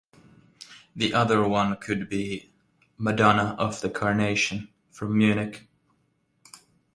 The other one could be "Madonna of the Carnation" from Munich.